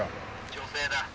女性だ。